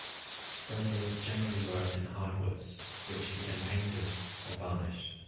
Brendel generally worked in hard woods which he then painted or varnished.